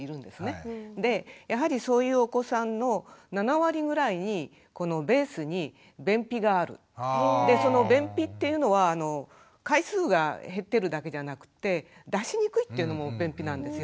でやはりそういうお子さんのでその便秘っていうのは回数が減ってるだけじゃなくて出しにくいっていうのも便秘なんですよ。